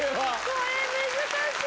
・これ難しい。